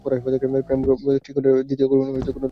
প্রেমরূপ ত্রিকোণের দ্বিতীয় কোণ প্রেমে কোনরূপ ভয় নাই।